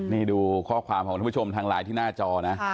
นี่ดูข้อความของทุกผู้ชมทางไลน์ที่หน้าจอนะ